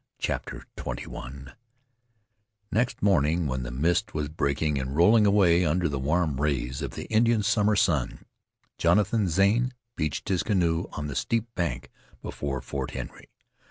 CHAPTER XXI Next morning, when the mist was breaking and rolling away under the warm rays of the Indian summer sun, Jonathan Zane beached his canoe on the steep bank before Fort Henry.